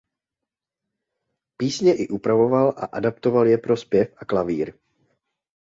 Písně i upravoval a adaptoval je pro zpěv a klavír.